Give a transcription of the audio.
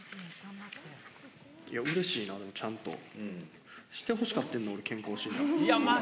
いや、うれしいな、ちゃんとしてほしかってん、俺、健康診断。